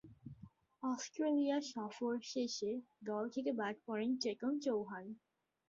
Australia সফর শেষে দল থেকে বাদ পড়েন চেতন চৌহান।